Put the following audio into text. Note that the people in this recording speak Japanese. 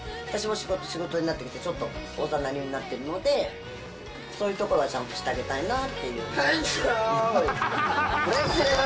私も仕事仕事になってるけど、ちょっとおざなりになってるので、そういうところはちゃんとしてあげたいなって思います。